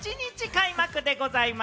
開幕でございます。